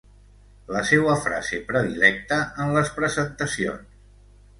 La seua frase predilecta en les presentacions.